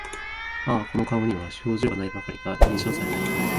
ああ、この顔には表情が無いばかりか、印象さえ無い